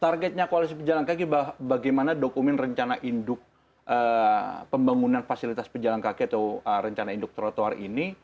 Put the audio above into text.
targetnya koalisi pejalan kaki bagaimana dokumen rencana induk pembangunan fasilitas pejalan kaki atau rencana induk trotoar ini